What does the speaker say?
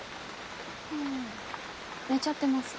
ああ寝ちゃってます。